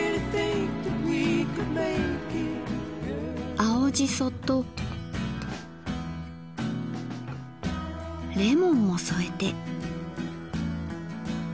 青じそとレモンも添えて。